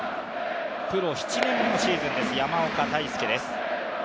プロ７年目のシーズンです、山岡泰輔です。